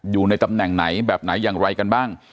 อยู่ในตำแหน่งไหนแบบไหนอย่างไรกันบ้าง